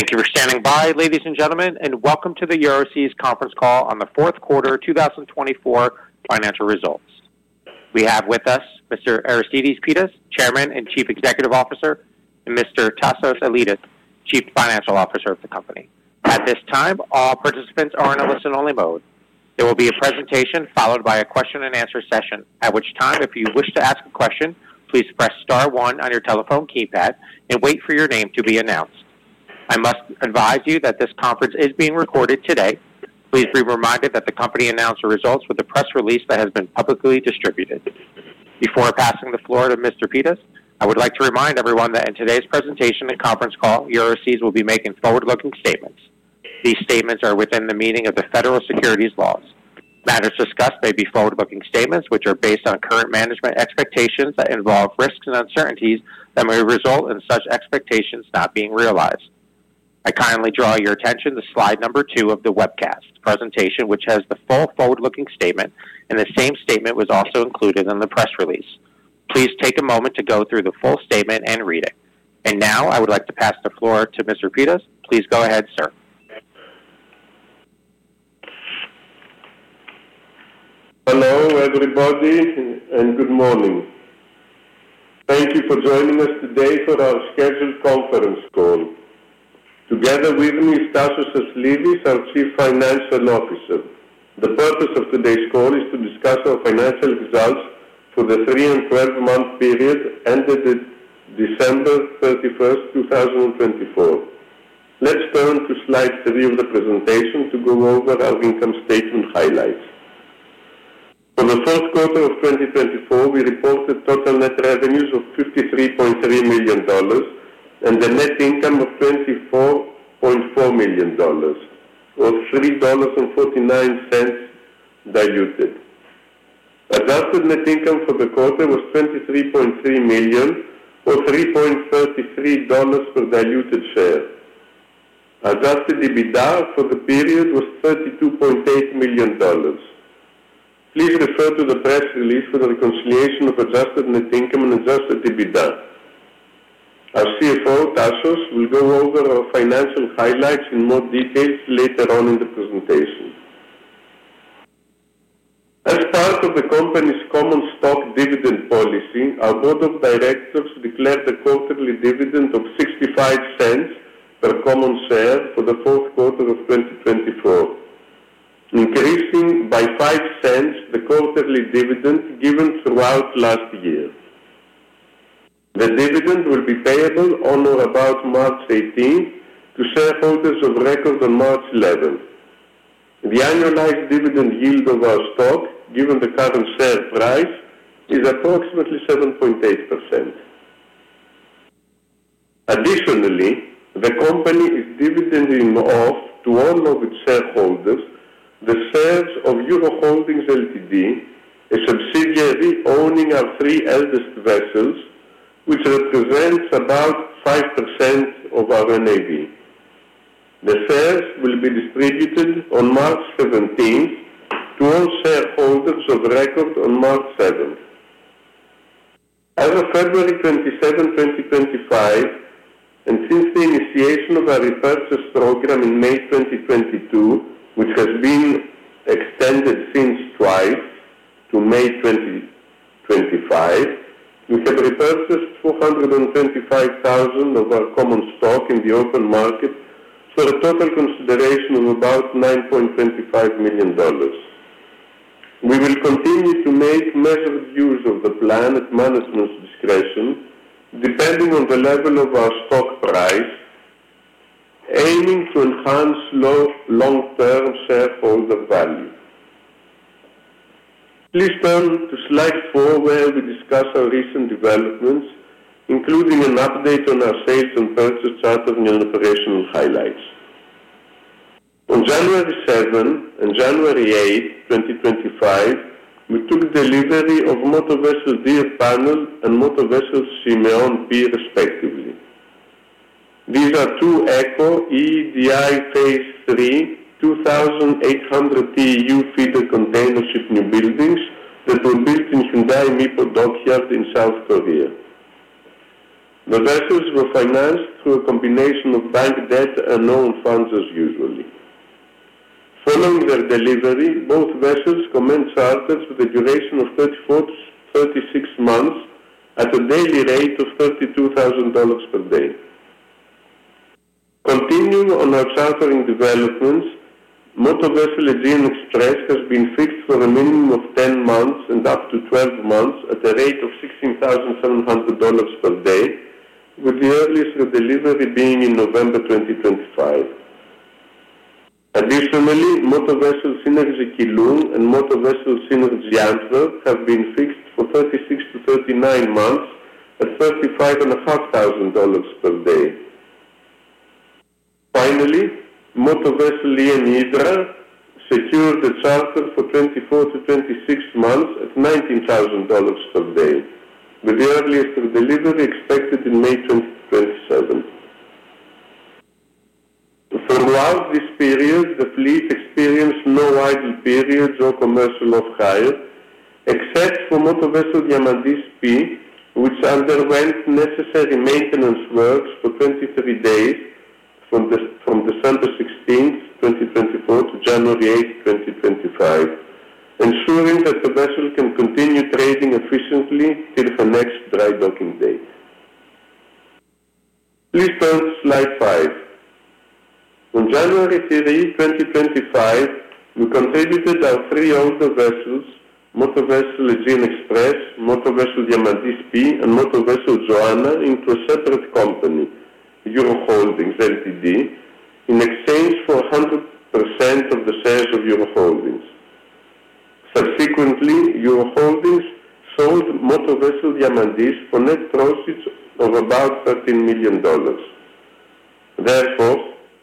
Thank you for standing by, ladies and gentlemen, and welcome to the Euroseas Conference Call on the Q4 2024 Financial Results. We have with us Mr. Aristides Pittas, Chairman and Chief Executive Officer, and Anastasios Aslidis, chief Financial Officer of the company. At this time, all participants are in a listen-only mode. There will be a presentation followed by a question-and-answer session, at which time, if you wish to ask a question, please press star 1 on your telephone keypad and wait for your name to be announced. I must advise you that this conference is being recorded today. Please be reminded that the company announced the results with a press release that has been publicly distributed. Before passing the floor to Mr. Pittas, I would like to remind everyone that in today's presentation and conference call, Euroseas will be making forward-looking statements. These statements are within the meaning of the federal securities laws. Matters discussed may be forward-looking statements which are based on current management expectations that involve risks and uncertainties that may result in such expectations not being realized. I kindly draw your attention to slide number 2 of the webcast presentation which has the full forward-looking statement and the same statement was also included in the press release. Please take a moment to go through the full statement and read it. And now, I would like to pass the floor to Mr. Pittas. Please go ahead, sir. Hello, everybody and good morning. Thank you for joining us today for our scheduled conference call. Together with me, Anastasios Aslidis, our Chief Financial Officer. The purpose of today's call is to discuss our financial results for the 3 and 12-month period ended 31 December 2024. Let's turn to slide 3 of the presentation to go over our income statement highlights. For the Q4 of 2024, we reported total net revenues of $53.3 million and a net income of $24.4 million or $3.49 diluted. Adjusted net income for the quarter was $23.3 million or $3.33 per diluted share. Adjusted EBITDA for the period was $32.8 million. Please refer to the press release for the reconciliation of adjusted net income and adjusted EBITDA. Our CFO, Anastasios will go over our financial highlights in more detail later on in the presentation. As part of the company's common stock dividend policy, our board of directors declared a quarterly dividend of $0.65 per common share for the Q4 of 2024, increasing by $0.05 the quarterly dividend given throughout last year. The dividend will be payable on or about March 18th to shareholders of record on March 11th. The annualized dividend yield of our stock, given the current share price, is approximately 7.8%. Additionally, the company is dividending off to all of its shareholders the shares of Euro Holdings Ltd, a subsidiary owning our 3 eldest vessels, which represents about 5% of our NAV. The shares will be distributed on March 17th to all shareholders of record on March 7th. As of February 27, 2025, and since the initiation of our repurchase program in May 2022, which has been extended since twice to May 2025, we have repurchased $425,000 of our common stock in the open market for a total consideration of about $9.25 million. We will continue to make measured use of the plan at management's discretion depending on the level of our stock price, aiming to enhance long-term shareholder value. Please turn to slide 4 where we discuss our recent developments, including an update on our sale and purchase chart and operational highlights. On January 7th and January 8th, 2025, we took delivery of motor vessel Dear Panel and motor vessel Symeon P, respectively. These are 2 ECO EEDI phase III 2,800 TEU feeder container ship newbuildings that were built in Hyundai Mipo Dockyard in South Korea. The vessels were financed through a combination of bank debt and own funds as usually. Following their delivery, both vessels commenced charter to the duration of 34-36 months at a daily rate of $32,000 per day. Continuing on our chartering developments, motor vessel Aegean Express has been fixed for a minimum of 10 months and up to 12 months at a rate of $16,700 per day, with the earliest delivery being in November 2025. Additionally, motor vessel Synergy Keelung and motor vessel Synergy Antwerp have been fixed for 36-39 months at $35,500 per day. Finally, motor vessel EM Hydra secured a charter for 24-26 months at $19,000 per day with the earliest delivery expected in May 2027. Throughout this period, the fleet experienced no idle periods or commercial off-hire except for motor vessel Diamantis P, which underwent necessary maintenance works for 23 days from December 16th, 2024 to January 8th, 2025, ensuring that the vessel can continue trading efficiently till her next dry docking date. Please turn to slide 5. On January 30, 2025, we contributed our 3 older vessels, motor vessel Aegean Express, motor vessel Diamantis P, and motor vessel Joanna into a separate company, Euro Holdings Ltd, in exchange for 100% of the shares of Euro Holdings. Subsequently, Euro Holdings sold motor vessel Diamantis for net profits of about $13 million. Therefore,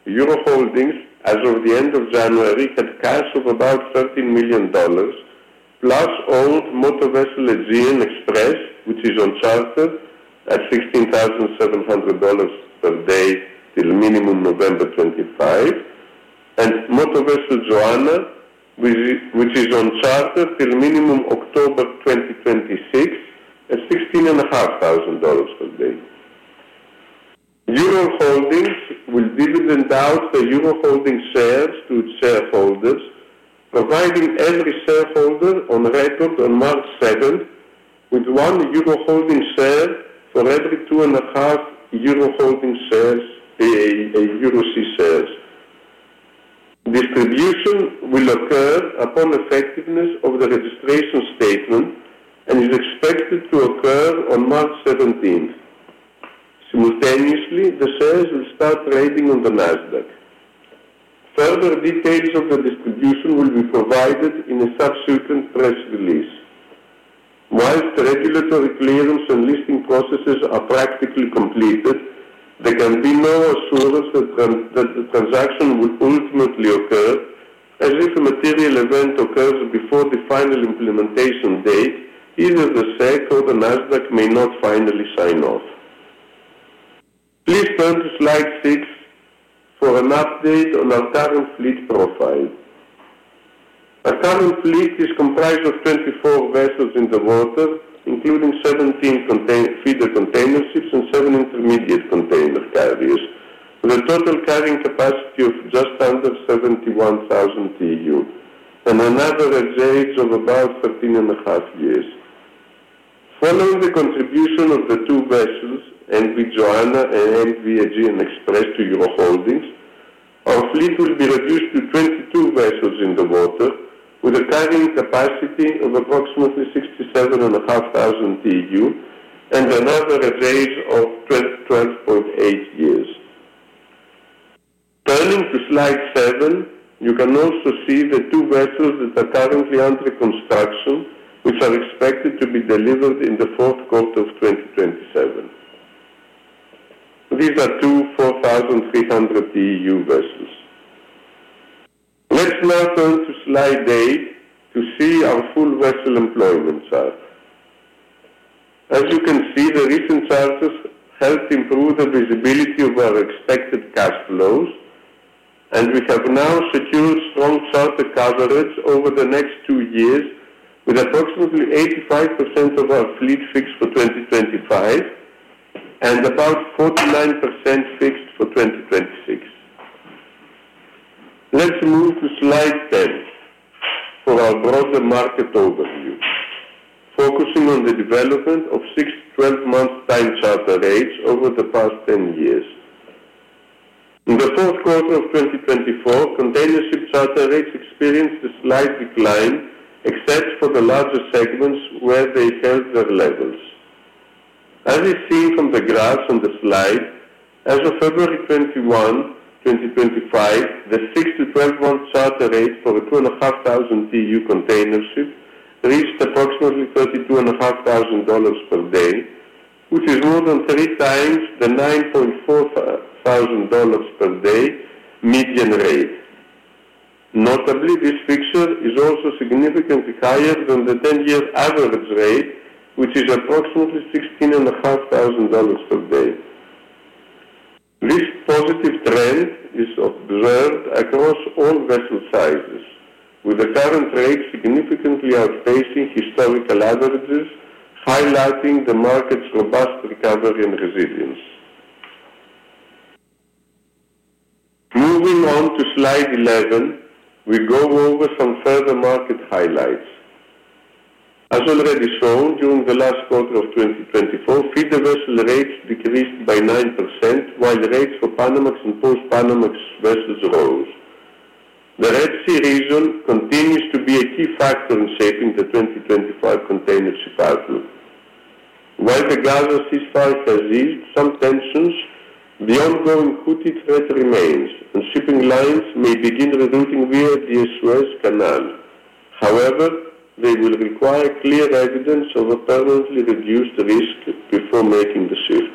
Euro Holdings, as of the end of January, had cash of about $13 million plus old motor vessel Aegean Express which is on charter at $16,700 per day till minimum November 25, and motor vessel Joanna, which is on charter till minimum October 2026 at $16,500 per day. Euro Holdings will distribute the Euro Holdings shares to its shareholders, providing every shareholder on record on March 7th with 1 Euro Holdings share for every 2 and a half Euro Holdings shares, Euroseas shares. Distribution will occur upon effectiveness of the registration statement and is expected to occur on March 17th. Simultaneously, the shares will start trading on the Nasdaq. Further details of the distribution will be provided in a subsequent press release. Once the regulatory clearance and listing processes are practically completed, there can be no assurance that the transaction will ultimately occur, as if a material event occurs before the final implementation date either the SEC or the Nasdaq may not finally sign off. Please turn to slide 6 for an update on our current fleet profile. Our current fleet is comprised of 24 vessels in the water, including 17 feeder container ships and 7 intermediate container carriers, with a total carrying capacity of just under 71,000 TEU, and an average age of about 13 and a half years. Following the contribution of the 2 vessels, M/V Joanna and M/V Aegean Express, to Euro Holdings, our fleet will be reduced to 22 vessels in the water, with a carrying capacity of approximately 67,500 TEU and an average age of 12.8 years. Turning to slide 7, you can also see the 2 vessels that are currently under construction, which are expected to be delivered in the Q4 of 2027. These are 2 4,300 TEU vessels. Let's now turn to slide 8 to see our full vessel employment chart. As you can see, the recent charters helped improve the visibility of our expected cash flows and we have now secured strong charter coverage over the next 2 years with approximately 85% of our fleet fixed for 2025 and about 49% fixed for 2026. Let's move to slide 10 for our broader market overview, focusing on the development of 6 to 12-month time charter rates over the past 10 years. In the Q4 of 2024, container ship charter rates experienced a slight decline, except for the larger segments where they held their levels. As is seen from the graphs on the slide, as of February 21, 2025, the 6 to 12-month charter rate for a 2,500 TEU container ship reached approximately $32,500 per day which is more than 3 times the $9,400 per day median rate. Notably, this fixture is also significantly higher than the 10-year average rate which is approximately $16,500 per day. This positive trend is observed across all vessel sizes, with the current rate significantly outpacing historical averages, highlighting the market's robust recovery and resilience. Moving on to slide 11, we go over some further market highlights. As already shown during the last quarter of 2024, feeder vessel rates decreased by 9%, while rates for Panamax and post-Panamax vessels rose. The Red Sea region continues to be a key factor in shaping the 2025 container ship outlook. While the Gaza ceasefire has eased some tensions, the ongoing Houthi threat remains, and shipping lines may begin rerouting via the Suez Canal. However, they will require clear evidence of a permanently reduced risk before making the shift.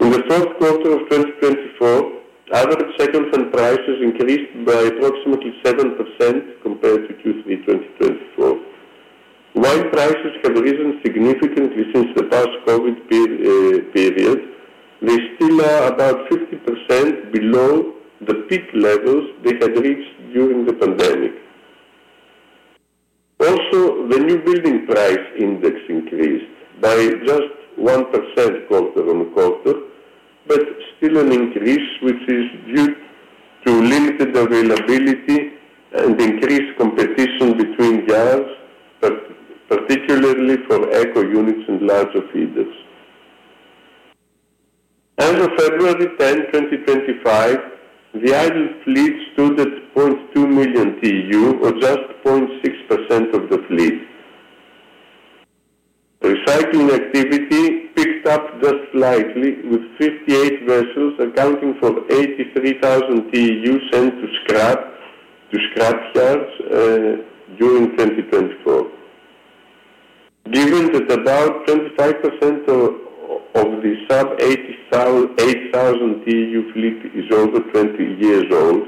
In the Q4 of 2024, average second-hand prices increased by approximately 7% compared to Q3 2024. While prices have risen significantly since the past COVID period, they still are about 50% below the peak levels they had reached during the pandemic. Also, the newbuilding price index increased by just 1% quarter-on-quarter but still an increase, which is due to limited availability and increased competition between yards, particularly for ECO units and larger feeders. As of February 10, 2025, the idle fleet stood at 0.2 million TEU, or just 0.6% of the fleet. Recycling activity picked up just slightly, with 58 vessels accounting for 83,000 TEU sent to scrap yards during 2024. Given that about 25% of the sub-8,000 TEU fleet is over 20 years old,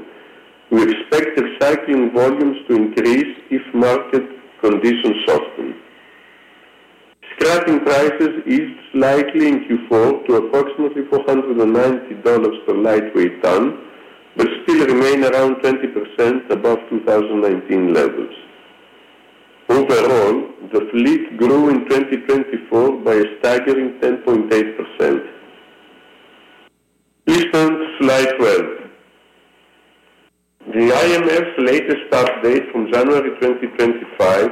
we expect recycling volumes to increase if market conditions soften. Scrapping prices eased slightly in Q4 to approximately $490 per lightweight ton, but still remain around 20% above 2019 levels. Overall, the fleet grew in 2024 by a staggering 10.8%. Please turn to slide 12. The IMF's latest update from January 2025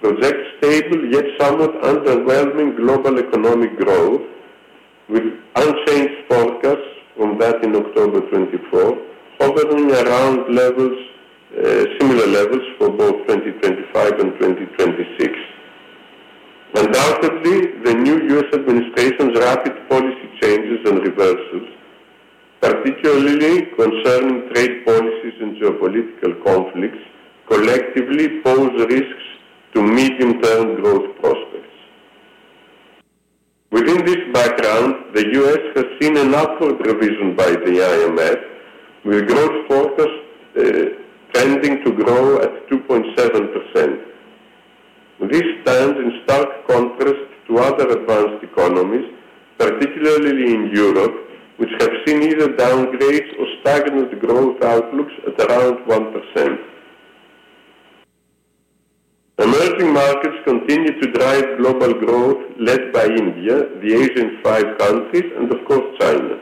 projects stable yet somewhat underwhelming global economic growth with unchanged forecasts from that in October 2024, hovering around similar levels for both 2025 and 2026. Undoubtedly, the new U.S. administration's rapid policy changes and reversals, particularly concerning trade policies and geopolitical conflicts, collectively pose risks to medium-term growth prospects. Within this background, the U.S. has seen an upward revision by the IMF, with growth forecasts tending to grow at 2.7%. This stands in stark contrast to other advanced economies, particularly in Europe, which have seen either downgrades or stagnant growth outlooks at around 1%. Emerging markets continue to drive global growth, led by India, the ASEAN-5 countries, and of course, China.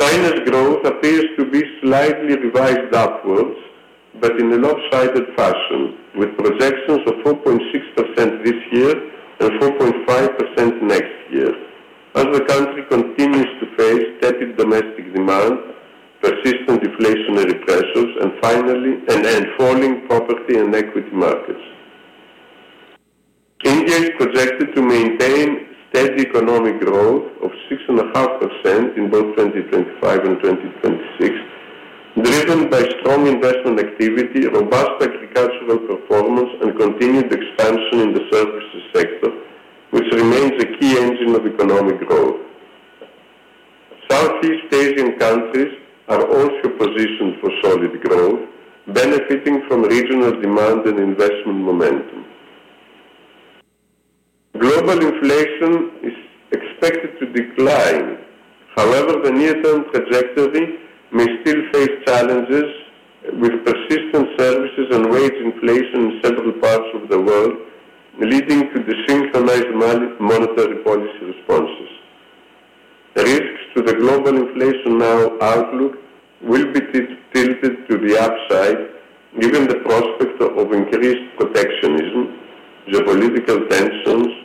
China's growth appears to be slightly revised upwards, but in a lopsided fashion, with projections of 4.6% this year and 4.5% next year, as the country continues to face steady domestic demand, persistent deflationary pressures, and falling property and equity markets. India is projected to maintain steady economic growth of 6.5% in both 2025 and 2026, driven by strong investment activity, robust agricultural performance, and continued expansion in the services sector, which remains a key engine of economic growth. Southeast Asian countries are also positioned for solid growth, benefiting from regional demand and investment momentum. Global inflation is expected to decline. However, the near-term trajectory may still face challenges, with persistent services and wage inflation in several parts of the world leading to desynchronized monetary policy responses. Risks to the global inflationary outlook will be tilted to the upside, given the prospect of increased protectionism, geopolitical tensions,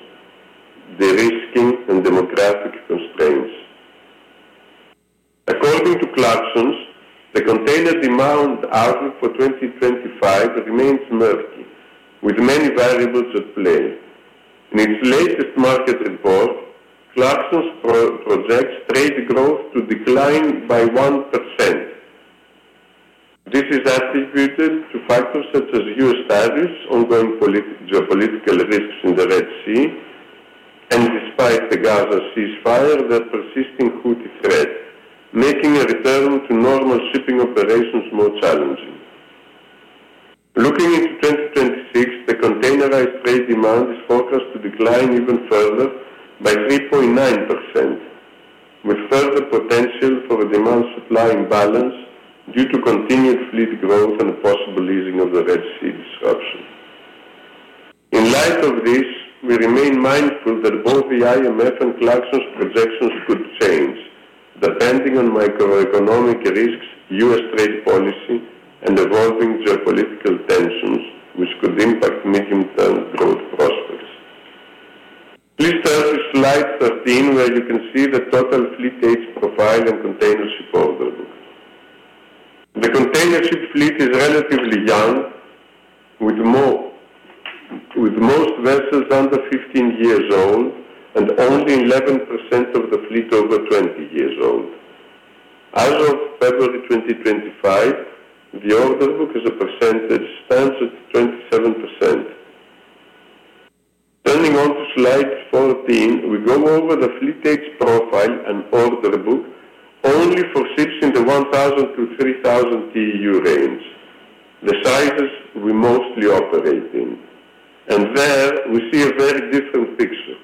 derisking, and demographic constraints. According to Clarksons, the container demand outlook for 2025 remains murky with many variables at play. In its latest market report, Clarksons projects trade growth to decline by 1%. This is attributed to factors such as U.S. tariffs ongoing geopolitical risks in the Red Sea and despite the Gaza ceasefire, the persisting Houthi threat, making a return to normal shipping operations more challenging. Looking into 2026, the containerized trade demand is forecast to decline even further by 3.9% with further potential for a demand-supply imbalance due to continued fleet growth and a possible easing of the Red Sea disruption. In light of this, we remain mindful that both the IMF and Clarksons' projections could change, depending on microeconomic risks, U.S. trade policy, and evolving geopolitical tensions, which could impact medium-term growth prospects. Please turn to slide 13, where you can see the total fleet age profile and container ship order book. The container ship fleet is relatively young, with most vessels under 15 years old and only 11% of the fleet over 20 years old. As of February 2025, the order book as a percentage stands at 27%. Turning on to slide 14, we go over the fleet age profile and order book only for ships in the 1,000 to 3,000 TEU range, the sizes we mostly operate in and there, we see a very different picture.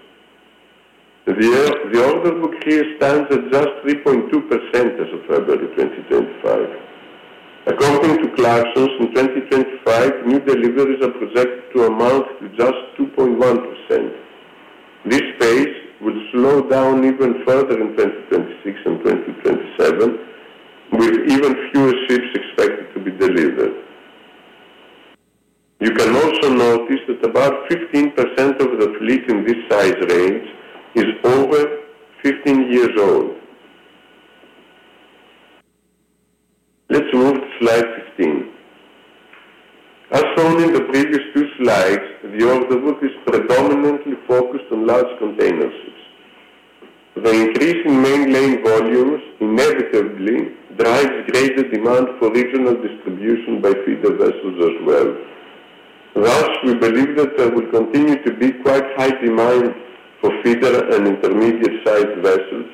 The order book here stands at just 3.2% as of February 2025. According to Clarksons, in 2025, new deliveries are projected to amount to just 2.1%. This pace will slow down even further in 2026 and 2027, with even fewer ships expected to be delivered. You can also notice that about 15% of the fleet in this size range is over 15 years old. Let's move to slide 15. As shown in the previous 2 slides, the order book is predominantly focused on large container ships. The increase in main lane volumes inevitably drives greater demand for regional distribution by feeder vessels as well. Thus, we believe that there will continue to be quite high demand for feeder and intermediate-sized vessels,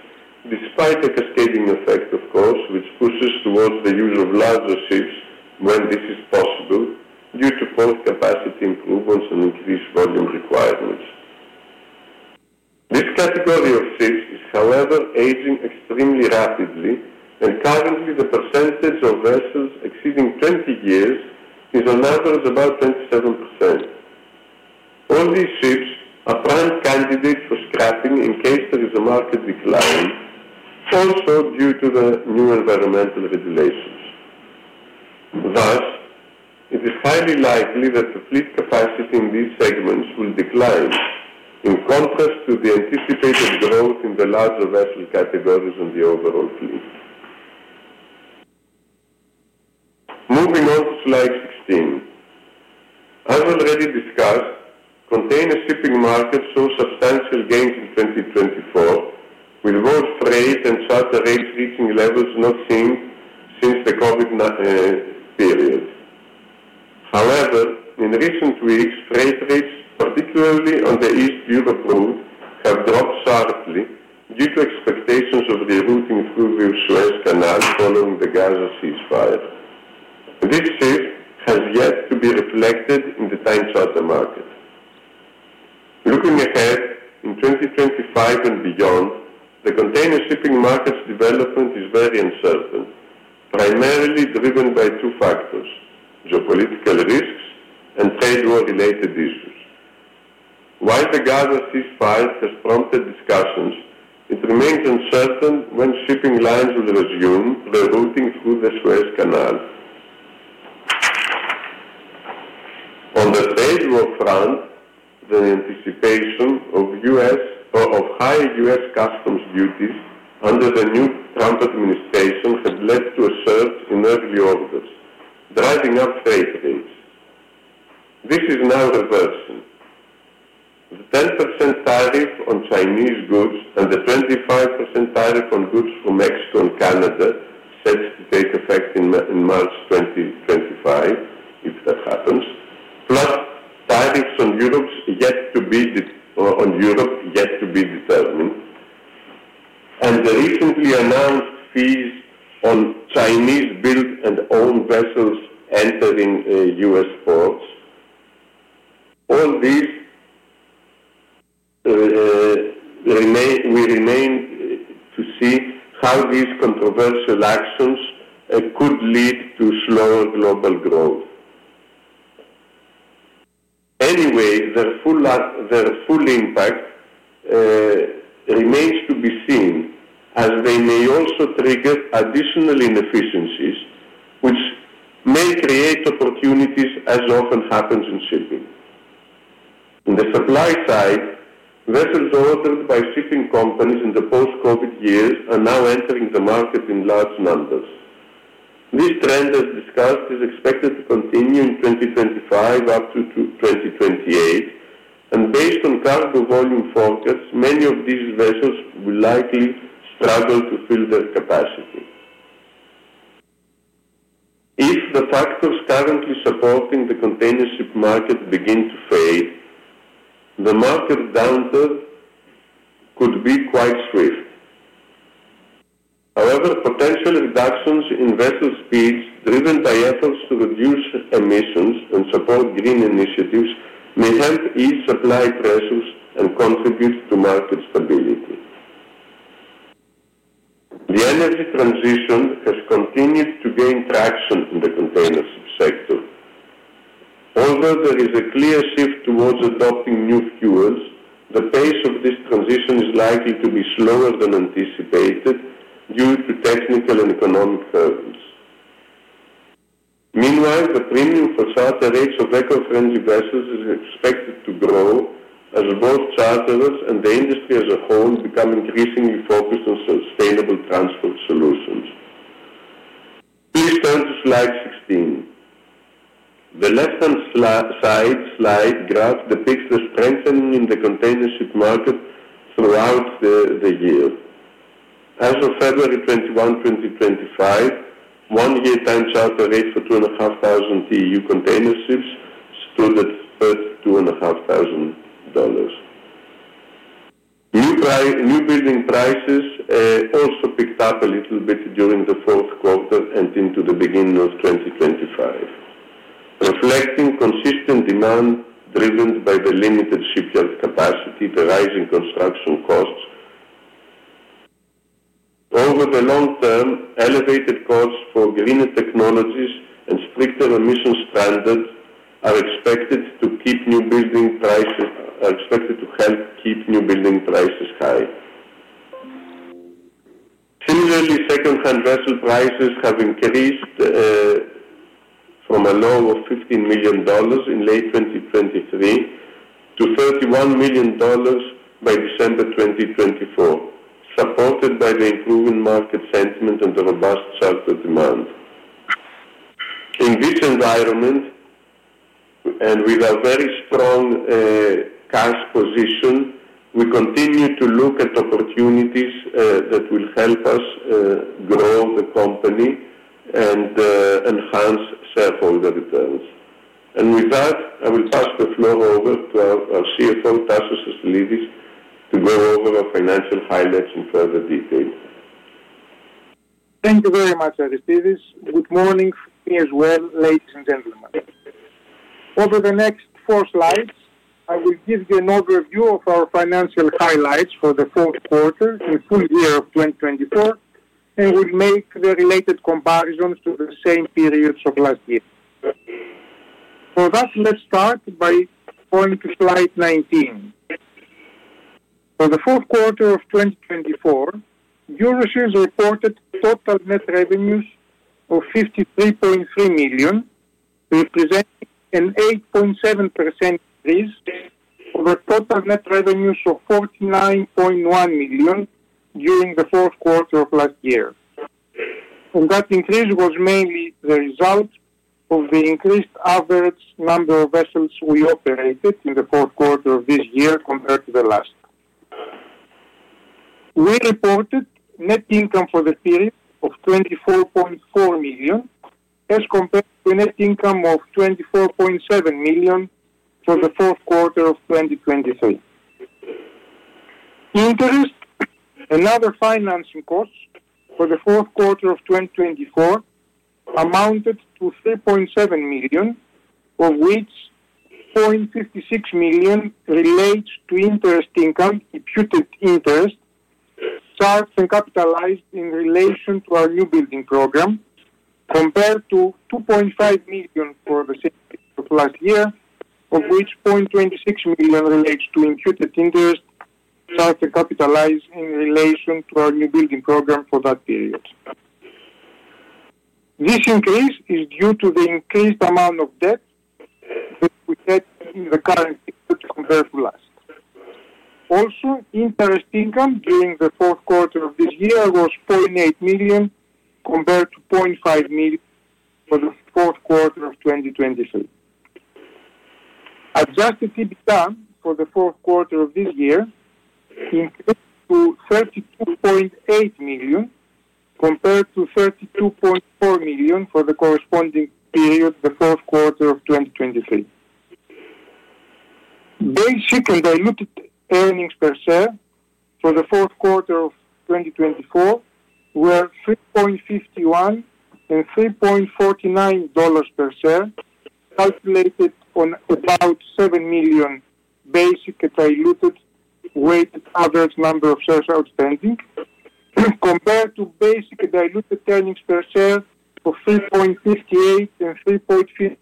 despite a cascading effect, of course, which pushes towards the use of larger ships when this is possible, due to port capacity improvements and increased volume requirements. This category of ships is, however, aging extremely rapidly, and currently the percentage of vessels exceeding 20 years is on average about 27%. All these ships are prime candidates for scrapping in case there is a market decline, also due to the new environmental regulations. Thus, it is highly likely that the fleet capacity in these segments will decline, in contrast to the anticipated growth in the larger vessel categories on the overall fleet. Moving on to slide 16. As already discussed, container shipping markets saw substantial gains in 2024 with world trade and charter rates reaching levels not seen since the COVID period. However, in recent weeks, freight rates, particularly on the East Europe route, have dropped sharply due to expectations of the routing through the Suez Canal following the Gaza ceasefire. This shift has yet to be reflected in the time charter market. Looking ahead in 2025 and beyond, the container shipping market's development is very uncertain, primarily driven by 2 factors. Geopolitical risks and Trade war-related issues. While the Gaza ceasefire has prompted discussions, it remains uncertain when shipping lines will resume the routing through the Suez Canal. On the trade war front, the anticipation of high U.S. customs duties under the new Trump administration has led to a surge in early orders, driving up trade rates. This is now reversing. The 10% tariff on Chinese goods and the 25% tariff on goods from Mexico and Canada set to take effect in March 2025, if that happens, plus tariffs on Europe yet to be determined and the recently announced fees on Chinese built and owned vessels entering U.S. ports, all this remains to be seen how these controversial actions could lead to slower global growth. Anyway, their full impact remains to be seen, as they may also trigger additional inefficiencies, which may create opportunities, as often happens in shipping. On the supply side, vessels ordered by shipping companies in the post-COVID years are now entering the market in large numbers. This trend, as discussed, is expected to continue in 2025 up to 2028, and based on cargo volume forecasts, many of these vessels will likely struggle to fill their capacity. If the factors currently supporting the container ship market begin to fade, the market downturn could be quite swift. However, potential reductions in vessel speeds, driven by efforts to reduce emissions and support green initiatives, may help ease supply pressures and contribute to market stability. The energy transition has continued to gain traction in the container ship sector. Although there is a clear shift towards adopting new fuels, the pace of this transition is likely to be slower than anticipated due to technical and economic hurdles. Meanwhile, the premium for charter rates of eco-friendly vessels is expected to grow as both charterers and the industry as a whole become increasingly focused on sustainable transport solutions. Please turn to slide 16. The left-hand side slide graph depicts the strengthening in the container ship market throughout the year. As of February 21, 2025, 1-year time charter rate for 2,500 TEU container ships stood at $32,500. newbuilding prices also picked up a little bit during the Q4 and into the beginning of 2025 reflecting consistent demand driven by the limited shipyard capacity the rising construction costs. Over the long term, elevated costs for greener technologies and stricter emission standards are expected to keep newbuilding prices high. Similarly, second-hand vessel prices have increased from a low of $15 million in late 2023 to $31 million by December 2024, supported by the improving market sentiment and the robust charter demand. In this environment, and with our very strong cash position, we continue to look at opportunities that will help us grow the company and enhance shareholder returns. With that, I will pass the floor over to our CFO, Anastasios Aslidis, to go over our financial highlights in further detail. Thank you very much, Aristides. Good morning from me as well, ladies and gentlemen. Over the next 4 slides, I will give you an overview of our financial highlights for the Q4 in the full year of 2024 and we'll make the related comparisons to the same periods of last year. For that, let's start by going to slide 19. For the Q4 of 2024, Euroseas reported total net revenues of $53.3 million representing an 8.7% increase over total net revenues of $49.1 million during the Q4 of last year. That increase was mainly the result of the increased average number of vessels we operated in the Q4 of this year compared to the last. We reported net income for the period of $24.4 million as compared to a net income of $24.7 million for the Q4 of 2023. Interest, another financing cost for the Q4 of 2024, amounted to $3.7 million of which $0.56 million relates to interest income, imputed interest, charged and capitalized in relation to our newbuilding program compared to $2.5 million for the same period of last year, of which $0.26 million relates to imputed interest, charged and capitalized in relation to our newbuilding program for that period. This increase is due to the increased amount of debt that we had in the current period compared to last. Also, interest income during the Q4 of this year was $0.8 million compared to $0.5 million for the Q4 of 2023. Adjusted EBITDA for the Q4 of this year increased to $32.8 million compared to $32.4 million for the corresponding period of the Q4 of 2023. Basic and diluted earnings per share for the Q4 of 2024 were $3.51 and 3.49 per share, calculated on about 7 million basic and diluted weighted average number of shares outstanding compared to basic and diluted earnings per share of $3.58 and 3.56. Did you get a line for us both? We,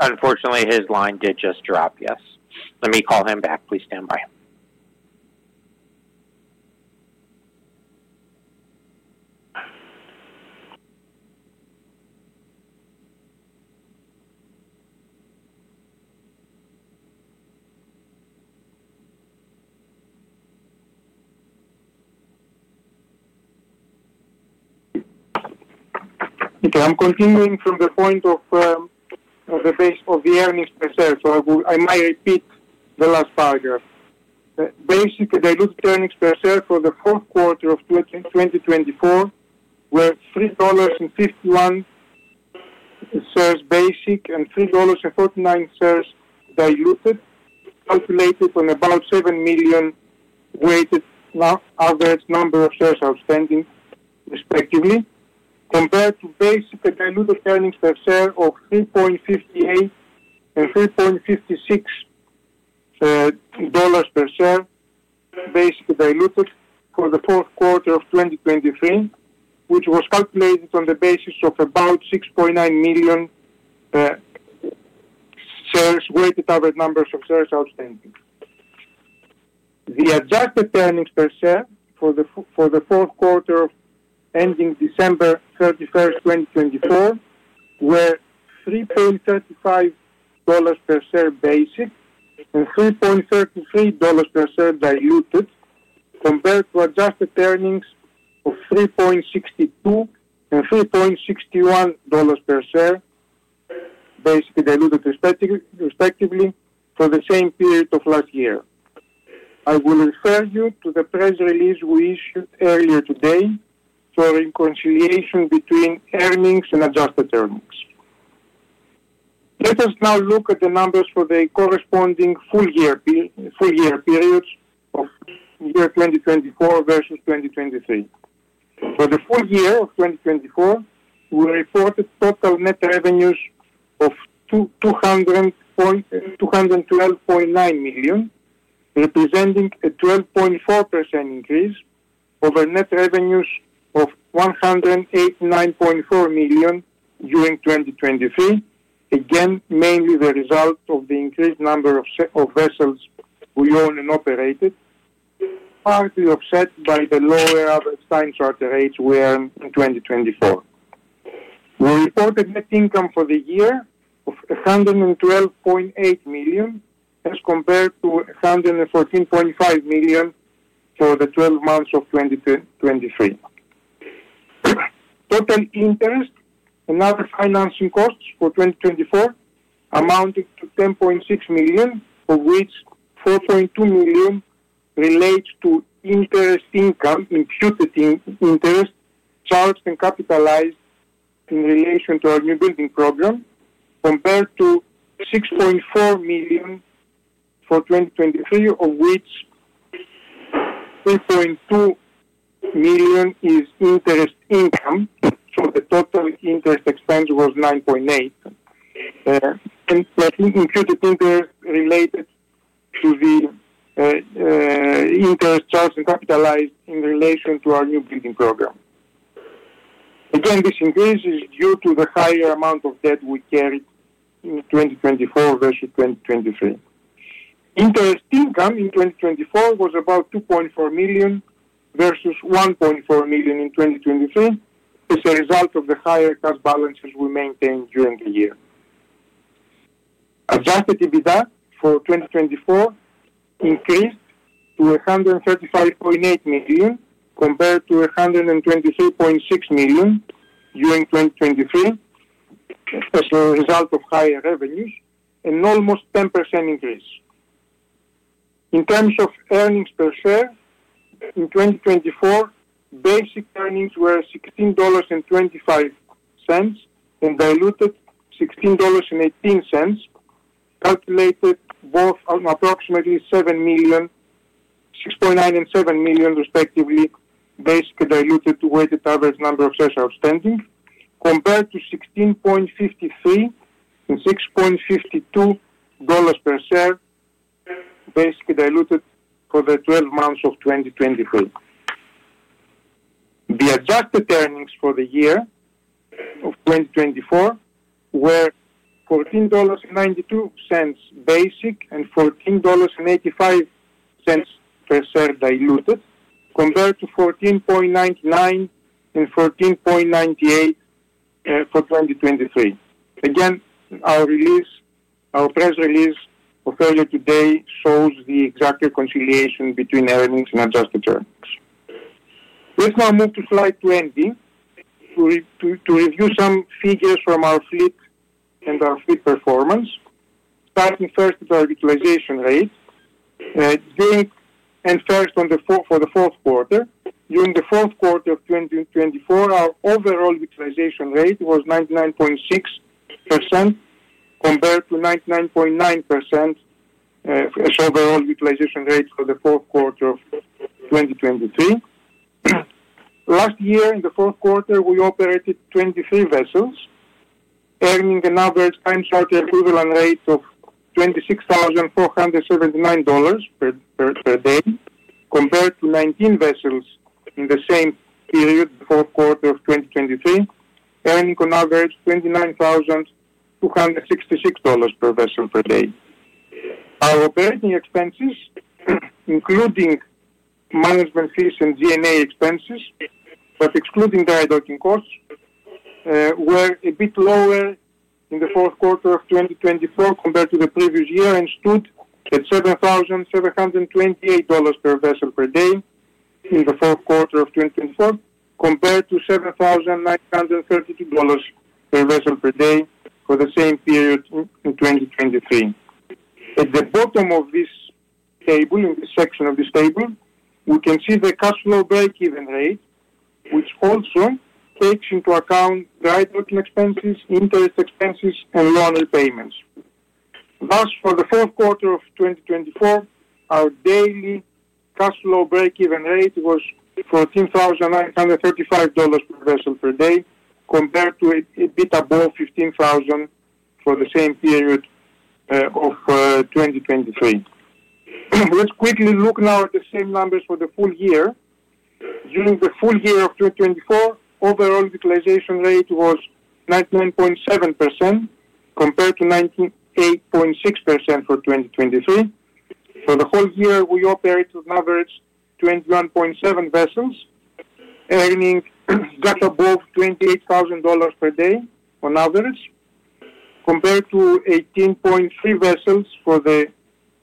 unfortunately, his line did just drop, yes. Let me call him back. Please stand by. Okay, I'm continuing from the point of the base of the earnings per share so I might repeat the last paragraph. Basic and diluted earnings per share for the Q4 of 2024 were $3.51 per share basic and $3.49 per share diluted, calculated on about 7 million weighted average number of shares outstanding, respectively, compared to basic and diluted earnings per share of $3.58 and 3.56 per share basic and diluted for the Q4 of 2023 which was calculated on the basis of about 6.9 million shares weighted average number of shares outstanding. The adjusted earnings per share for the Q4 ending December 31, 2024 where $3.35 per share basic and $3.33 per share diluted compared to adjusted earnings of $3.62 and 3.61 per share basic and diluted, respectively, for the same period of last year. I will refer you to the press release we issued earlier today for reconciliation between earnings and adjusted earnings. Let us now look at the numbers for the corresponding full year periods of year 2024 versus 2023. For the full year of 2024, we reported total net revenues of $212.9 million, representing a 12.4% increase over net revenues of $189.4 million during 2023, again, mainly the result of the increased number of vessels we own and operated, partly offset by the lower average time charter rates we earned in 2024. We reported net income for the year of $112.8 million as compared to $114.5 million for the 12 months of 2023. Total interest and other financing costs for 2024 amounted to $10.6 million of which $4.2 million relates to interest income, imputed interest, charged and capitalized in relation to our newbuilding program compared to $6.4 million for 2023 of which $3.2 million is interest income, so the total interest expense was $9.8 and imputed interest related to the interest charged and capitalized in relation to our newbuilding program. Again, this increase is due to the higher amount of debt we carried in 2024 versus 2023. Interest income in 2024 was about $2.4 million versus $1.4 million in 2023 as a result of the higher cash balances we maintained during the year. Adjusted EBITDA for 2024 increased to $135.8 million compared to $123.6 million during 2023, as a result of higher revenues, an almost 10% increase. In terms of earnings per share, in 2024, basic earnings were $16.25 and diluted $16.18, calculated both on approximately $6.9 and 7 million, respectively, basic and diluted weighted average number of shares outstanding, compared to $16.53 and 6.52 per share basic and diluted for the 12 months of 2023. The adjusted earnings for the year of 2024 were $14.92 basic and $14.85 per share diluted compared to $14.99 and 14.98 for 2023. Again, our press release of earlier today shows the exact reconciliation between earnings and adjusted earnings. Let's now move to slide 20 to review some figures from our fleet and our fleet performance. Starting first with our utilization rate, and first for the Q4. During the Q4 of 2024, our overall utilization rate was 99.6% compared to 99.9% as overall utilization rate for the Q4 of 2023. Last year, in the Q4, we operated 23 vessels, earning an average time charter equivalent rate of $26,479 per day, compared to 19 vessels in the same period, the Q4 of 2023, earning an average of $29,266 per vessel per day. Our operating expenses, including management fees and G&A expenses but excluding dry docking costs, were a bit lower in the Q4 of 2024 compared to the previous year and stood at $7,728 per vessel per day in the Q4 of 2024, compared to $7,932 per vessel per day for the same period in 2023. At the bottom of this table, in this section of this table, we can see the cash flow break-even rate, which also takes into account dry docking expenses, interest expenses, and loan repayments. Thus, for the Q4 2024, our daily cash flow break-even rate was $14,935 per vessel per day compared to a bit above $15,000 for the same period of 2023. Let's quickly look now at the same numbers for the full year. During the full year of 2024, overall utilization rate was 99.7% compared to 98.6% for 2023. For the whole year, we operated an average of 21.7 vessels, earning just above $28,000 per day on average compared to 18.3 vessels for the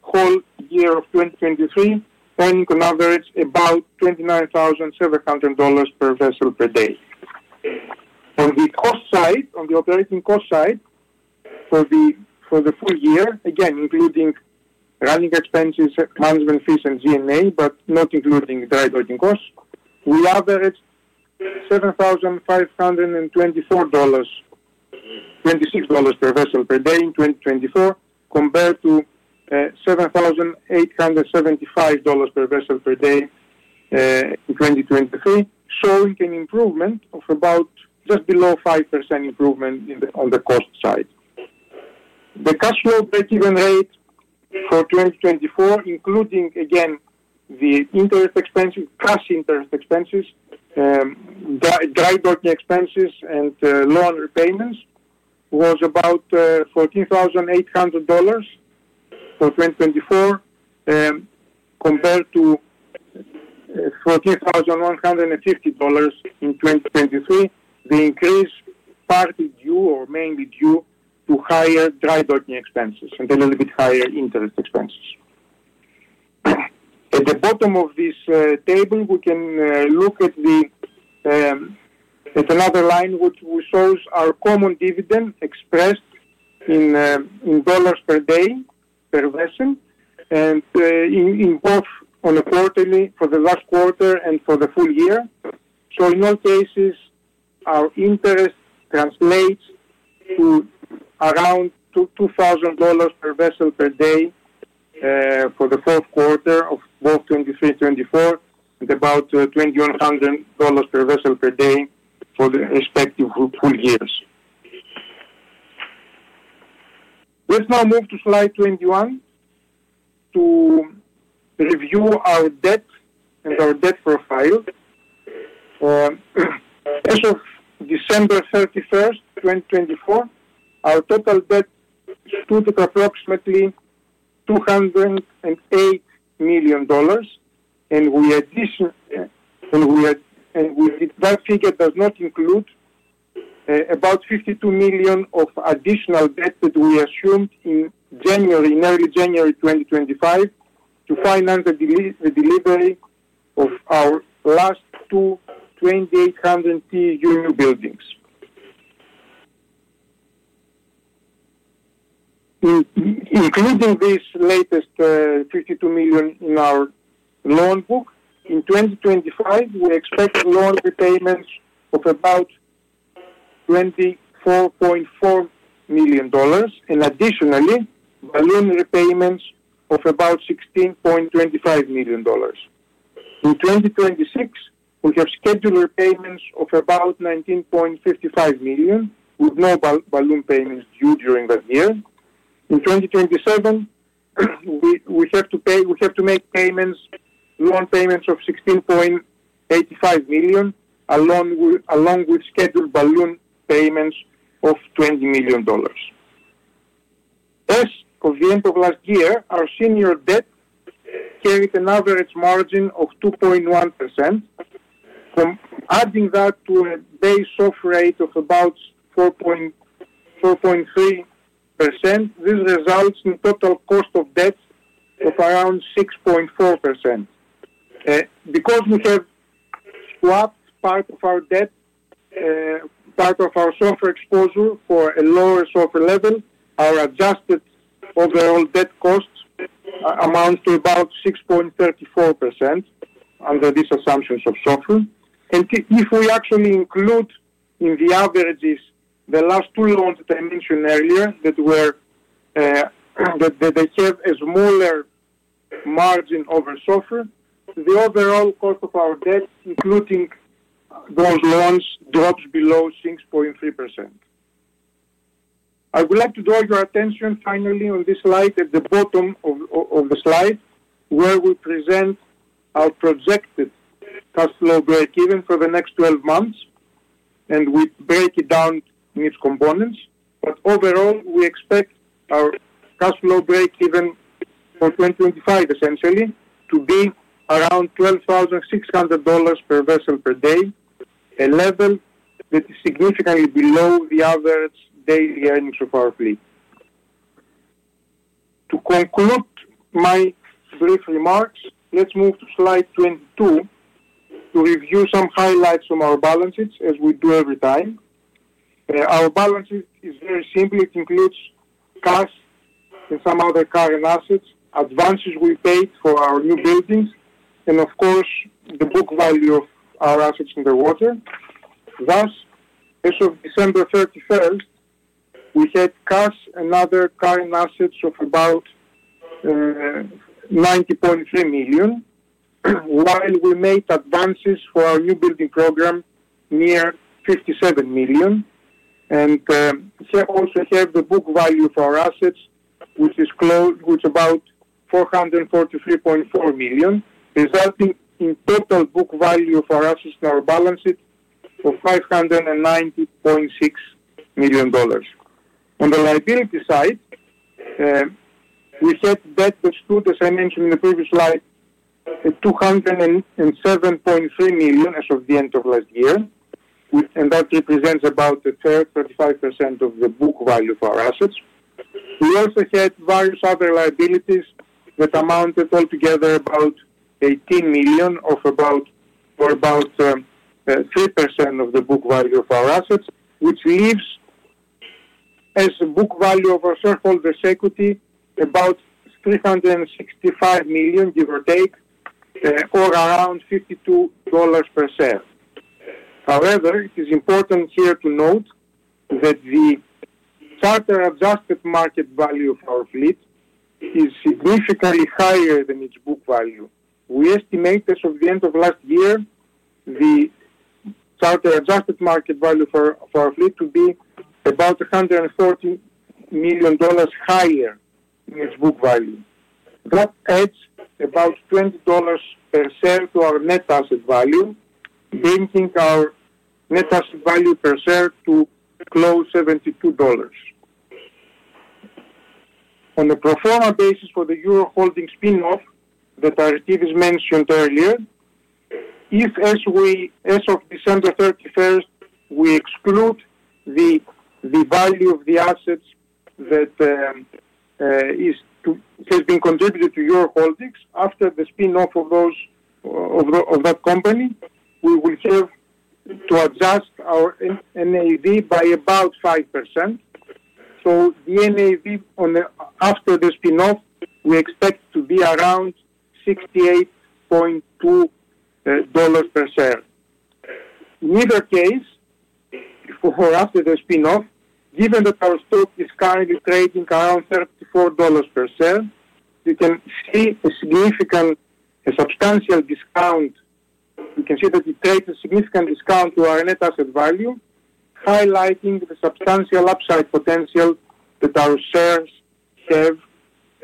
whole year of 2023, earning an average of about $29,700 per vessel per day. On the cost side, on the operating cost side for the full year, again, including running expenses, management fees, and G&A, but not including dry docking costs, we averaged $7,524.26 per vessel per day in 2024 compared to $7,875 per vessel per day in 2023, showing an improvement of about just below 5% improvement on the cost side. The cash flow break-even rate for 2024, including, again, the interest expenses, cash interest expenses, dry docking expenses, and loan repayments, was about $14,800 for 2024 compared to $14,150 in 2023. The increase partly due, or mainly due, to higher dry docking expenses and a little bit higher interest expenses. At the bottom of this table, we can look at another line which shows our common dividend expressed in dollars per day per vessel and in both on a quarterly for the last quarter and for the full year. In all cases, our interest translates to around $2,000 per vessel per day for the Q4 of both 2023 and 2024, and about $2,100 per vessel per day for the respective full years. Let's now move to slide 21 to review our debt and our debt profile. As of December 31, 2024, our total debt stood at approximately $208 million, and we additionally, and that figure does not include, about $52 million of additional debt that we assumed in early January 2025 to finance the delivery of our last two 2,800 TEU buildings. Including this latest $52 million in our loan book, in 2025, we expect loan repayments of about $24.4 million, and additionally, balloon repayments of about $16.25 million. In 2026, we have scheduled repayments of about $19.55 million with no balloon payments due during that year. In 2027, we have to make loan payments of $16.85 million along with scheduled balloon payments of $20 million. As of the end of last year, our senior debt carried an average margin of 2.1%. Adding that to a base SOFR rate of about 4.3%, this results in a total cost of debt of around 6.4%. Because we have swapped part of our debt, part of our SOFR exposure for a lower SOFR level, our adjusted overall debt cost amounts to about 6.34% under these assumptions of SOFR, and if we actually include in the averages the last 2 loans that I mentioned earlier that have a smaller margin over SOFR, the overall cost of our debt, including those loans, drops below 6.3%. I would like to draw your attention finally on this slide at the bottom of the slide, where we present our projected cash flow break-even for the next 12 months, and we break it down in its components. But overall, we expect our cash flow break-even for 2025, essentially, to be around $12,600 per vessel per day, a level that is significantly below the average daily earnings of our fleet. To conclude my brief remarks, let's move to slide 22 to review some highlights from our balances, as we do every time. Our balance sheet is very simple. It includes cash and some other current assets, advances we paid for our newbuildings, and, of course, the book value of our assets underwater. Thus, as of December 31, we had cash and other current assets of about $90.3 million, while we made advances for our newbuilding program near $57 million, and we also have the book value for our assets which is about $443.4 million resulting in total book value of our assets in our balance sheet of $590.6 million. On the liability side, we had debt that stood, as I mentioned in the previous slide, at $207.3 million as of the end of last year, and that represents about a third, 35% of the book value of our assets. We also had various other liabilities that amounted altogether about $18 million or about 3% of the book value of our assets which leaves us with the book value of our shareholders' equity about $365 million, give or take, or around $52 per share. However, it is important here to note that the charter adjusted market value of our fleet is significantly higher than its book value. We estimate, as of the end of last year, the charter adjusted market value for our fleet to be about $130 million higher than its book value. That adds about $20 per share to our net asset value, bringing our net asset value per share to close $72. On a pro forma basis for the Euro Holdings spin-off that I think is mentioned earlier, if, as of December 31, we exclude the value of the assets that has been contributed to Euro Holdings after the spin-off of that company, we will have to adjust our NAV by about 5%. So the NAV after the spin-off, we expect to be around $68.2 per share. In either case or after the spin-off, given that our stock is currently trading around $34 per share, you can see a significant, a substantial discount. You can see that it creates a significant discount to our net asset value, highlighting the substantial upside potential that our shares have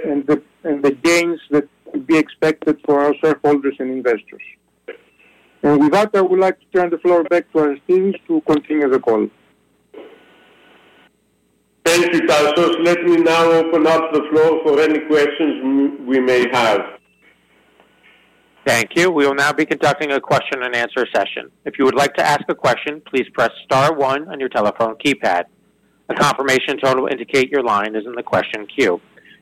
and the gains that would be expected for our shareholders and investors, and with that, I would like to turn the floor back to Aristides to continue the call. Thank you, Tasios. Let me now open up the floor for any questions we may have. Thank you. We will now be conducting a question-and-answer session. If you would like to ask a question, please press Star 1 on your telephone keypad. A confirmation tone will indicate your line is in the question queue.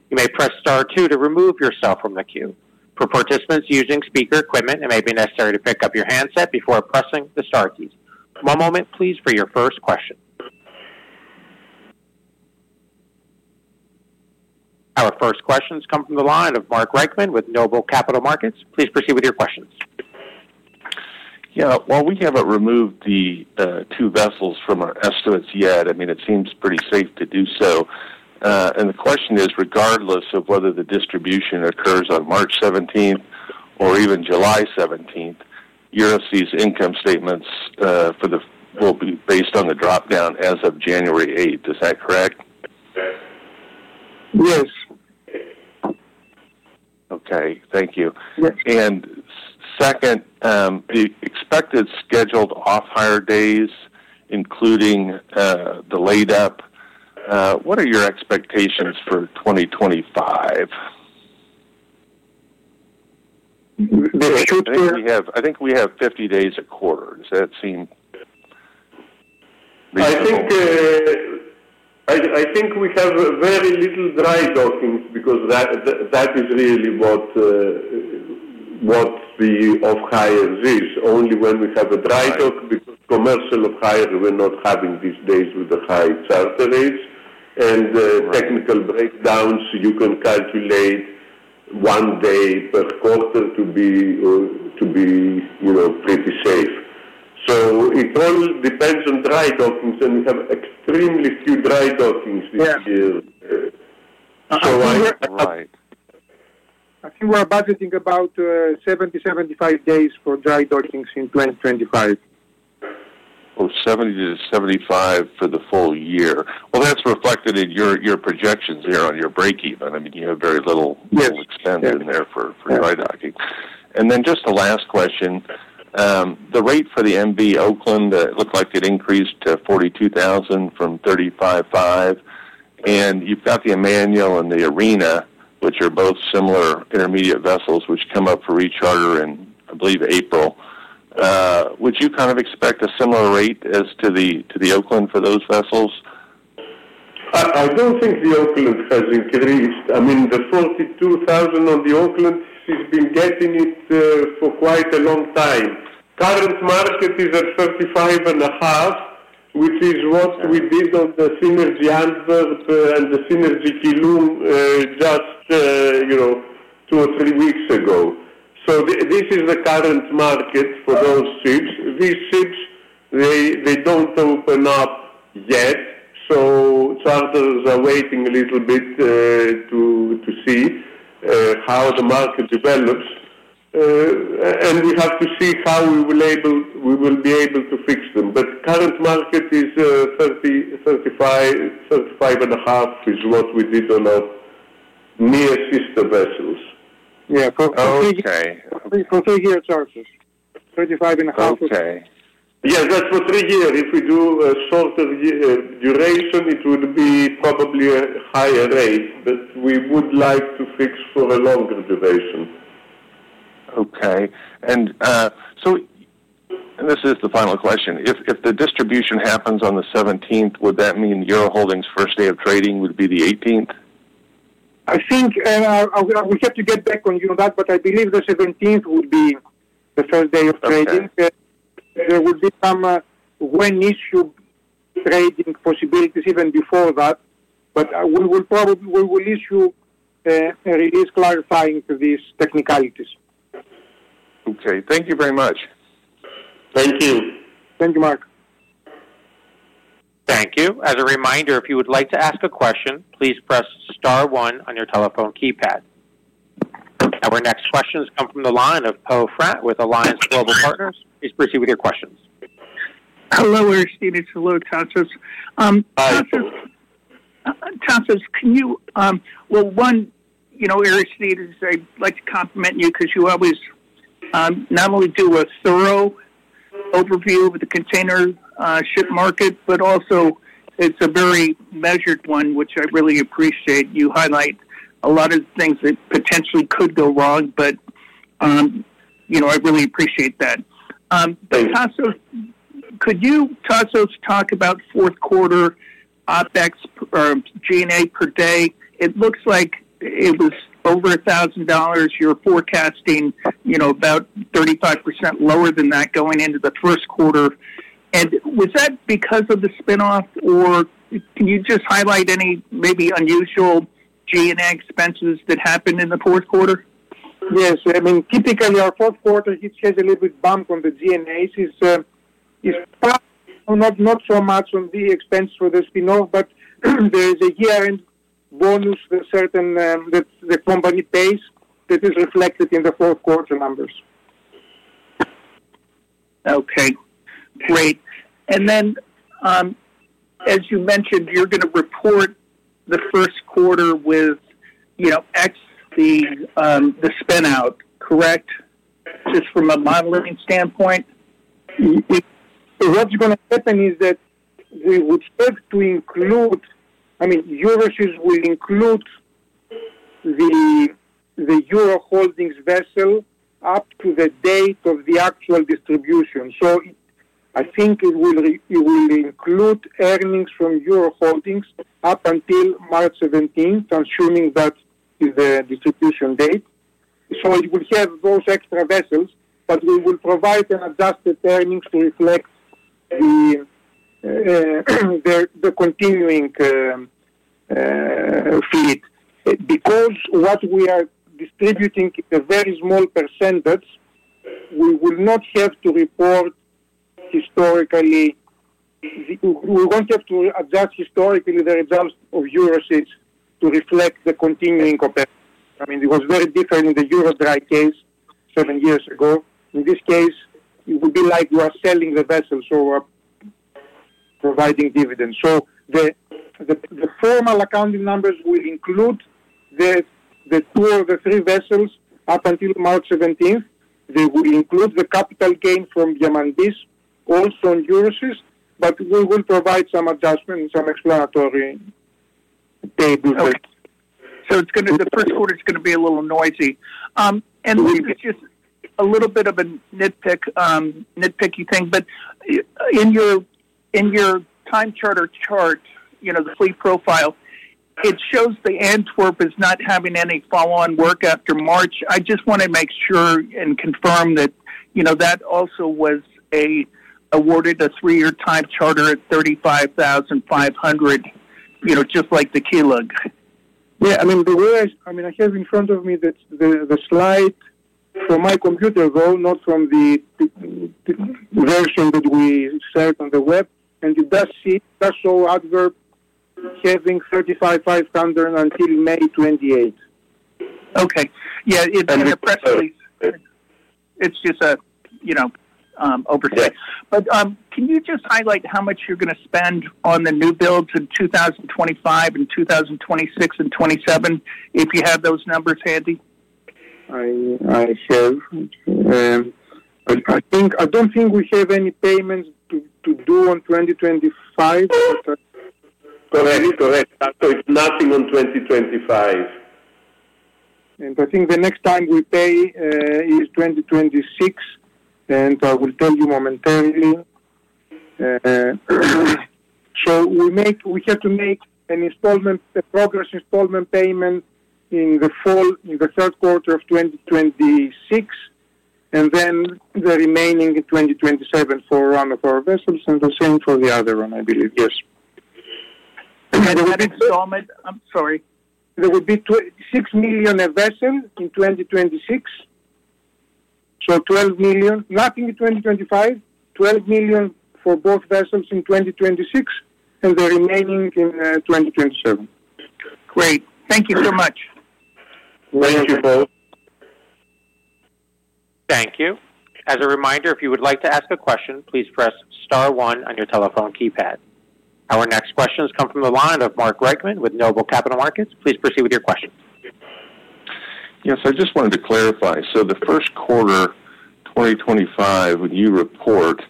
You may press Star 2 to remove yourself from the queue. For participants using speaker equipment, it may be necessary to pick up your handset before pressing the Star keys. One moment, please, for your first question. Our first questions come from the line of Mark Reichman with Noble Capital Markets. Please proceed with your questions. Yeah. While we haven't removed the 2 vessels from our estimates yet, I mean, it seems pretty safe to do so. And the question is, regardless of whether the distribution occurs on March 17th or even July 17th, Euroseas income statements will be based on the drop-down as of January 8th. Is that correct? Yes. Okay. Thank you. And second, the expected scheduled off-hire days, including the laid-up, what are your expectations for 2025? I think we have 50 days a quarter. Does that seem reasonable? I think we have very little dry docking because that is really what the off-hire is, only when we have a dry dock because commercial off-hire will not have these days with the high charter rates and technical breakdowns, you can calculate one day per quarter to be pretty safe. So it all depends on dry dockings and we have extremely few dry dockings this year. I think we're about to take about 70-75 days for dry dockings in 2025. Oh, 70-75 for the full year. Well, that's reflected in your projections here on your break-even. I mean, you have very little expense in there for dry docking. And then just the last question. The rate for the MV Oakland, it looked like it increased to $42,000 from $3,505. And you've got the Emmanuel and the Rena, which are both similar intermediate vessels, which come up for recharter in, I believe, April. Would you kind of expect a similar rate as to the Oakland for those vessels? I don't think the Oakland has increased. I mean, the $42,000 on the Oakland, she's been getting it for quite a long time. Current market is at $35,500, which is what we did on the Synergy Antwerp and the Synergy Keelung just 2 or 3 weeks ago. So this is the current market for those ships. These ships, they don't open up yet, so charters are waiting a little bit to see how the market develops. And we have to see how we will be able to fix them. But current market is $35,000, $35,500 is what we did on our near-sister vessels. Yeah. For 3-year charters, $35,500. Okay. Yeah. That's for 3-year. If we do a shorter duration, it would be probably a higher rate but we would like to fix for a longer duration. Okay, and so this is the final question. If the distribution happens on the 17th, would that mean Euro Holdings' first day of trading would be the 18th? I think we have to get back on that, but I believe the 17th would be the first day of trading. There will be some when-issued trading possibilities even before that, but we will issue a release clarifying these technicalities. Okay. Thank you very much. Thank you. Thank you, Mark. Thank you. As a reminder, if you would like to ask a question, please press Star 1 on your telephone keypad. Our next questions come from the line of Poe Fratt with Alliance Global Partners. Please proceed with your questions. Hello, Aristides. Hello, Tasios. Tasios, can you. Well, one, Aristides, I'd like to compliment you because you always not only do a thorough overview of the container ship market but also it's a very measured one, which I really appreciate. You highlight a lot of the things that potentially could go wrong, but I really appreciate that. But Tasios, could you, Tasios, talk about Q4 OpEx or G&A per day? It looks like it was over $1,000. You're forecasting about 35% lower than that going into the Q1 and was that because of the spin-off, or can you just highlight any maybe unusual G&A expenses that happened in the Q4? Yes. I mean, typically, our Q4, it has a little bit bump on the G&As. It's not so much on the expense for the spin-off but there is a year-end bonus that the company pays that is reflected in the Q4 numbers. Okay. Great. And then, as you mentioned, you're going to report the Q1 with X, the spin-out, correct? Just from a modeling standpoint? What's going to happen is that we would have to include, I mean, Euroseas will include the Euro Holdings vessel up to the date of the actual distribution. So I think it will include earnings from Euro Holdings up until March 17th, assuming that is the distribution date. So it will have those extra vessels but we will provide an adjusted earnings to reflect the continuing fleet. Because what we are distributing is a very small percentage, we will not have to report historically, we won't have to adjust historically the results of Euroseas to reflect the continuing comparison. I mean, it was very different in the EuroDry case 7 years ago. In this case, it would be like you are selling the vessel so providing dividends. So the formal accounting numbers will include the 2 or the 3 vessels up until March 17th. They will include the capital gain from Diamantis also on Euroseas but we will provide some adjustment and some explanatory table. Okay. So the Q1 is going to be a little noisy. And this is just a little bit of a nitpicky thing, but in your time charter chart, the fleet profile, it shows the Antwerp is not having any follow-on work after March. I just want to make sure and confirm that that also was awarded a three-year time charter at $35,500, just like the Keelung. Yeah. I mean, I have in front of me the slide from my computer, though, not from the version that we shared on the web and it does show Antwerp having 35,500 until May 28th. Okay. Yeah. It's just an oversight. But can you just highlight how much you're going to spend on the new builds in 2025 and 2026 and 2027 if you have those numbers handy? I have. I don't think we have any payments to do on 2025. Correct. Correct. So it's nothing on 2025. I think the next time we pay is 2026 and I will tell you momentarily. We have to make a progress installment payment in the Q3 of 2026, and then the remaining in 2027 for one of our vessels, and the same for the other one, I believe. Yes.I'm sorry. There will be $6 million a vessel in 2026 so $12 million. Nothing in 2025, $12 million for both vessels in 2026, and the remaining in 2027. Great. Thank you so much. Thank you both. Thank you. As a reminder, if you would like to ask a question, please press Star 1 on your telephone keypad. Our next questions come from the line of Mark Reichman with Noble Capital Markets. Please proceed with your questions. Yes. I just wanted to clarify. So the Q1 2025, when you report,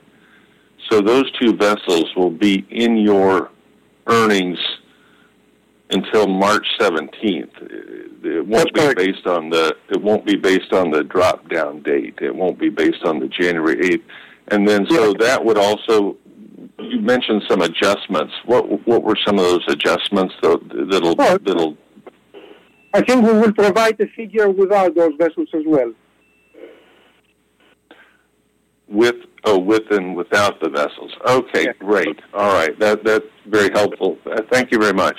so those 2 vessels will be in your earnings until March 17th. It won't be based on the, it won't be based on the dropdown date. It won't be based on the January 8th. And then so that would also, you mentioned some adjustments. What were some of those adjustments that'll? I think we will provide the figure without those vessels as well. With and without the vessels. Okay. Great. All right. That's very helpful. Thank you very much.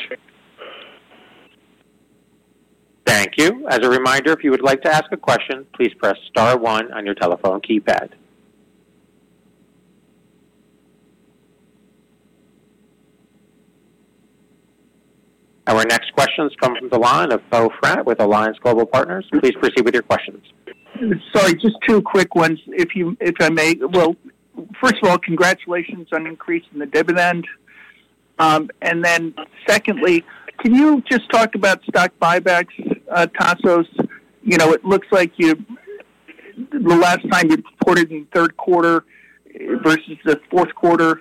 Thank you. As a reminder, if you would like to ask a question, please press Star 1 on your telephone keypad. Our next questions come from the line of Poe Fratt with Alliance Global Partners. Please proceed with your questions. Sorry. Just 2 quick ones, if I may. Well, first of all, congratulations on increasing the dividend. And then secondly, can you just talk about stock buybacks, Tasios? It looks like the last time you reported in Q3 versus the Q4,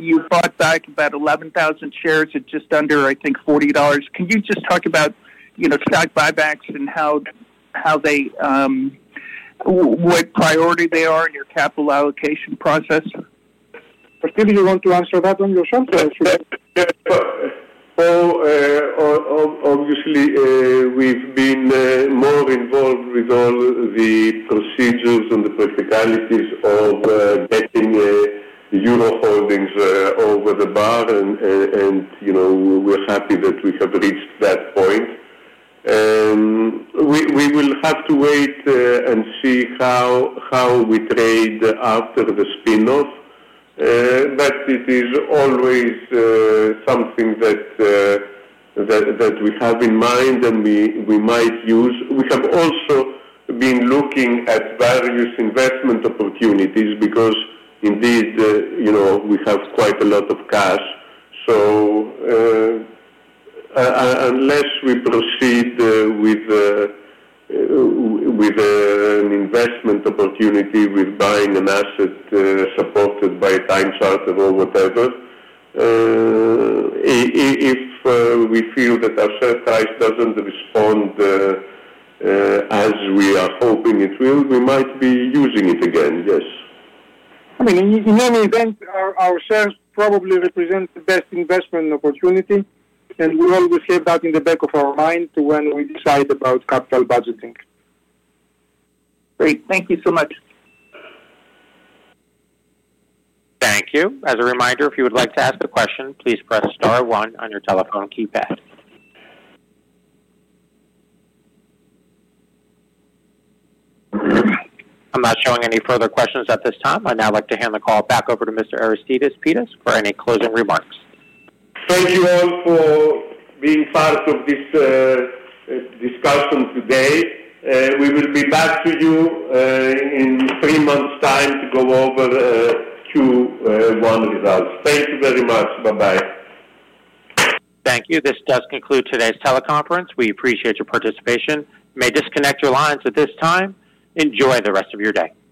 you bought back about 11,000 shares at just under, I think, $40. Can you just talk about stock buybacks and what priority they are in your capital allocation process? Do you want to answer that yourself? Yes. Obviously, we've been more involved with all the procedures and the practicalities of getting Euro Holdings over the bar and we're happy that we have reached that point. We will have to wait and see how we trade after the spin-off but it is always something that we have in mind and we might use, we have also been looking at various investment opportunities because, indeed, we have quite a lot of cash. So unless we proceed with an investment opportunity with buying an asset supported by a time charter or whatever, if we feel that our share price doesn't respond as we are hoping it will, we might be using it again. Yes. I mean, in any event, our shares probably represent the best investment opportunity and we always have that in the back of our mind when we decide about capital budgeting. Great. Thank you so much. Thank you. As a reminder, if you would like to ask a question, please press Star 1 on your telephone keypad. I'm not showing any further questions at this time. I'd now like to hand the call back over to Mr. Aristides Pittas for any closing remarks. Thank you all for being part of this discussion today. We will be back to you in 3 months' time to go over Q1 results. Thank you very much. Bye-bye. Thank you. This does conclude today's teleconference. We appreciate your participation. May disconnect your lines at this time. Enjoy the rest of your day.